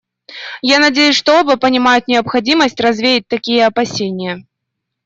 Я надеюсь, что оба понимают необходимость развеять такие опасения.